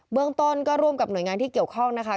เมืองต้นก็ร่วมกับหน่วยงานที่เกี่ยวข้องนะคะ